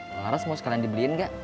laras mau sekalian dibeliin nggak